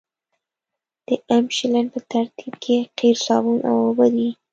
د املشن په ترکیب کې قیر صابون او اوبه وي